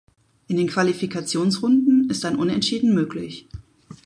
In den Qualifikationsrunden ist ein Unentschieden möglich.